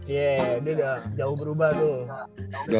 iya dia udah jauh berubah tuh